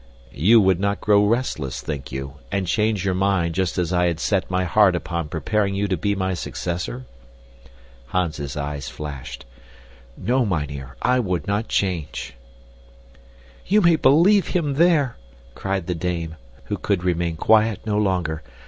"You would not grow restless, think you, and change your mind just as I had set my heart upon preparing you to be my successor?" Hans's eyes flashed. "No, mynheer, I would not change." "You may believe him there," cried the dame, who could remain quiet no longer.